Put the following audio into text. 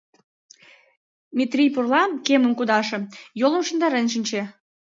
Метрий пурла кемым кудаше, йолым шуйдарен шинче.